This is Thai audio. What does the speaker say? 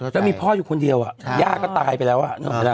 แล้วมีพ่ออยู่คนเดียวย่าก็ตายไปแล้ว